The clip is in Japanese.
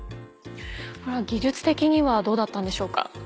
技術的にはどうだったんでしょうか？